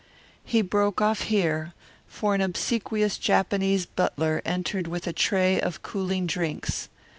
He broke off here, for an obsequious Japanese butler entered with a tray of cooling drinks.